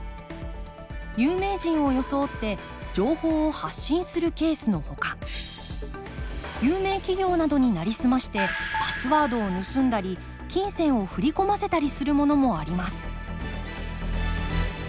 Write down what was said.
有名人を装って情報を発信するケースのほか有名企業などになりすましてパスワードを盗んだり金銭を振り込ませたりするものもあります